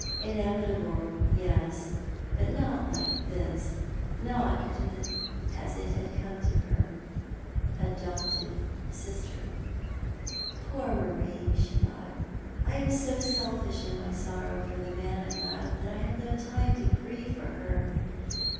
Inevitable, yes, but not like this — not as it had come to her adopted sister " Poor Marie," she thought. " I am so selfish in my sorrow for the man I love that I have no time to grieve for her.